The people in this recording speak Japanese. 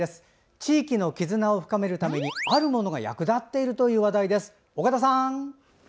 地域の絆を深めるためにあるものが役立っているという話題です。